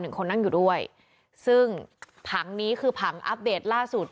คนนั่งอยู่ด้วยซึ่งผังนี้คือผังอัปเดตล่าสุด